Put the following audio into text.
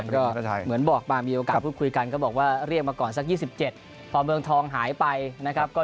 ก็เหมือนบอกบางมีโอกาสพัดพูดคุยกันก็บอกว่าเรียกมาก่อนสัก๒๗